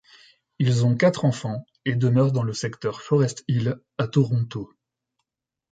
Ils ont quatre enfants et demeurent dans le secteur Forest Hill, à Toronto.